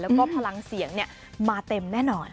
แล้วก็พลังเสียงมาเต็มแน่นอน